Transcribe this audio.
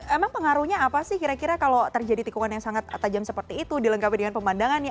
emang pengaruhnya apa sih kira kira kalau terjadi tikungan yang sangat tajam seperti itu dilengkapi dengan pemandangannya